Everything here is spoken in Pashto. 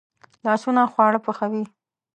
لاسونه خواړه پخوي